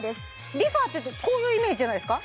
ＲｅＦａっていうとこういうイメージじゃないですか